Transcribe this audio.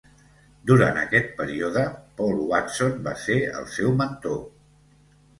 Durant aquest període Paul Watson va ser el seu mentor.